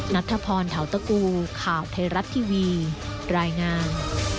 นัทธพรเทาตะกูข่าวไทยรัฐทีวีรายงาน